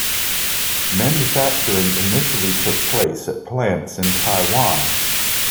Manufacturing initially took place at plants in Taiwan.